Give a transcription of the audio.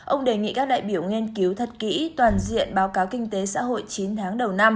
ông đề nghị các đại biểu nghiên cứu thật kỹ toàn diện báo cáo kinh tế xã hội chín tháng đầu năm